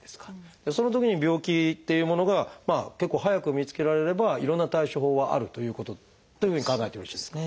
そのときに病気っていうものが結構早く見つけられればいろんな対処法があるということというふうに考えてよろしいですか？